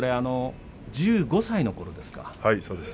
１５歳のころですか。